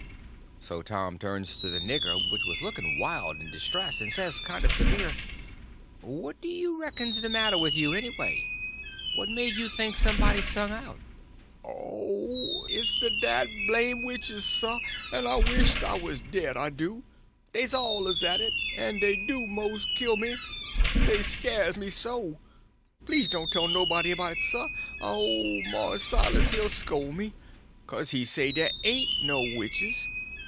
So Tom turns to the nigger, which was looking wild and distressed, and says, kind of severe: "What do you reckon's the matter with you, anyway? What made you think somebody sung out?" "Oh, it's de dad blame' witches, sah, en I wisht I was dead, I do. Dey's awluz at it, sah, en dey do mos' kill me, dey sk'yers me so. Please to don't tell nobody 'bout it sah, er ole Mars Silas he'll scole me; 'kase he say dey ain't no witches.